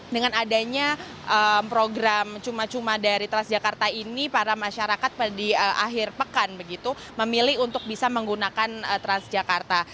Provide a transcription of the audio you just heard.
dengan adanya program cuma cuma dari transjakarta ini para masyarakat pada akhir pekan begitu memilih untuk bisa menggunakan transjakarta